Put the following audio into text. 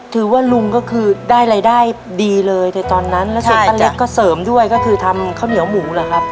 ลุงก็คือได้รายได้ดีเลยในตอนนั้นแล้วส่วนป้าเล็กก็เสริมด้วยก็คือทำข้าวเหนียวหมูเหรอครับ